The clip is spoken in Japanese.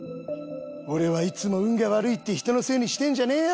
「俺はいつも運が悪い」って人のせいにしてんじゃねえよ